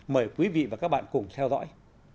mời quý vị và các bạn cùng theo dõi